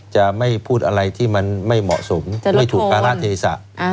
จะไม่พูดอะไรที่ถูกสร้างประธานภาชาถนาจะลดโทนลง